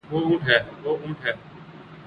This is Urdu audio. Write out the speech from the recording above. وہ اونٹ ہے